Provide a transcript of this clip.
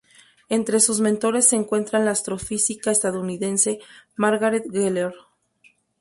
Entre sus mentores se encuentra la astrofísica estadounidense Margaret Geller.